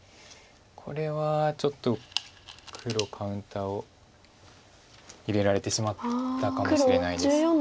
これはちょっと黒カウンターを入れられてしまったかもしれないです。